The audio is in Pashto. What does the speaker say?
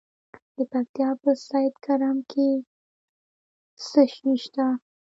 د پکتیا په سید کرم کې څه شی شته؟